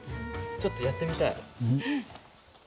ちょっとやってみたい。